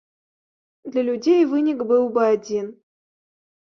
Для людзей вынік быў бы адзін.